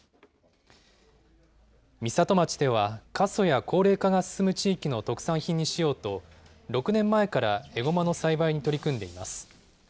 美里町では過疎や高齢化が進む地域の特産品にしようと、６年前からエゴマの栽培に取り組んでいます。